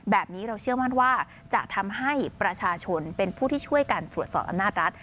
แบบนี้เราเชื่อมั่นว่าจะทำให้ประชาชนเป็นผู้ที่ช่วยกันตรวจสอบอำนาจรัฐ